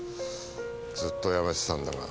ずっと止めてたんだが。